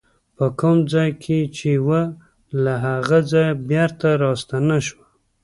په کوم ځای کې چې وه له هغه ځایه بېرته راستنه شوه.